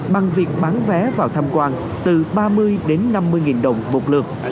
bằng việc bán vé vào thăm quan từ ba mươi đến năm mươi nghìn đồng một lượng